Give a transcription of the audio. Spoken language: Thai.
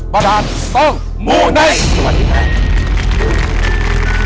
บรรดาตรต้องหมูไนท์